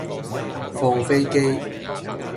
放飛機